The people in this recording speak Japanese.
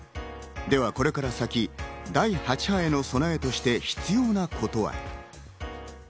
では、これから先、第８波への備えとして必要なことは。